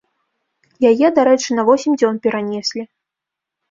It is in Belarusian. Яе, дарэчы, на восем дзён перанеслі.